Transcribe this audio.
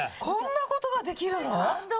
「こんなことができるの？」